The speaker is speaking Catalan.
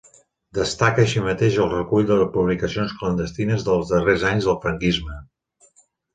Destaca així mateix el recull de publicacions clandestines dels darrers anys del franquisme.